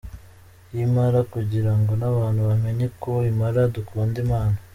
yImpala kugira ngo nabantu bamenye ko Impala dukunda Imana.